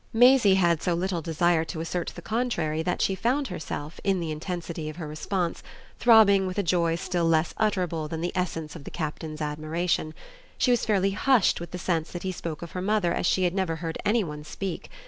Maisie had so little desire to assert the contrary that she found herself, in the intensity of her response, throbbing with a joy still less utterable than the essence of the Captain's admiration. She was fairly hushed with the sense that he spoke of her mother as she had never heard any one speak.